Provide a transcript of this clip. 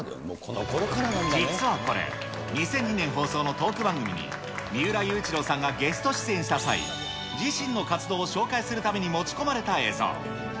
実はこれ、２００２年放送のトーク番組に、三浦雄一郎さんがゲスト出演した際、自身の活動を紹介するために持ち込まれた映像。